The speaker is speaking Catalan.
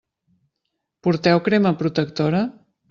Porteu crema protectora?